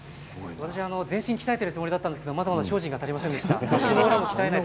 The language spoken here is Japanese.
私、全身鍛えていると思っていたんですがまだ、精進が足りませんでした。